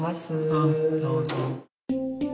あどうぞ。